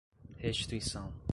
restituição